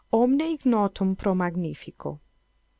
_Omne ignotum pro magnifico.